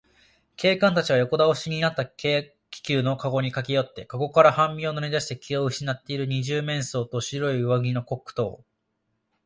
警官たちは横だおしになった軽気球のかごにかけよって、かごから半身を乗りだして気をうしなっている二十面相と、白い上着のコックとを、